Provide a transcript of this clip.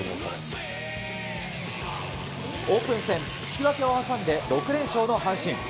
オープン戦、引き分けを挟んで６連勝の阪神。